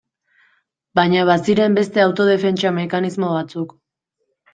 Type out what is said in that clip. Baina baziren beste autodefentsa mekanismo batzuk.